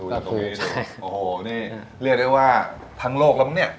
โอ้โหนี่เรียกได้ว่าทั้งโลกแล้วมั้งเนี่ย